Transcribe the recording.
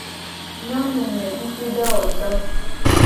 Nyonumengutidowoto.